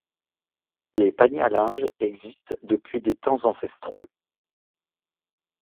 Les paniers à linge existent depuis des temps ancestraux.